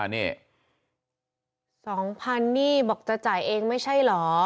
นี่๒๐๐๐นี่บอกจะจ่ายเองไม่ใช่เหรอ